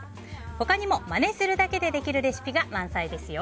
他にもマネするだけでできるレシピが満載ですよ。